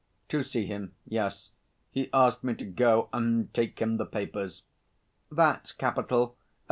"To see him, yes. He asked me to go and take him the papers." "That's capital.